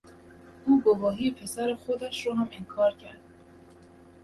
او گواهی پسر خودش را هم انکار کرد.